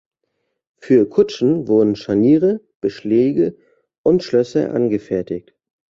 Für Kutschen wurden Scharniere, Beschläge und Schlösser angefertigt.